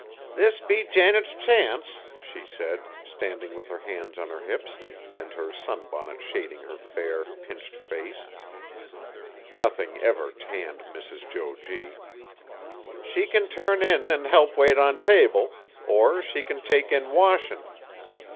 "This be Janet's chance," she said, standing with her hands on her hips, and her sunbonnet shading her fair, pinched face nothing ever tanned Mrs. Jo G. "She can turn in an' help wait on table, or she kin take in washin'.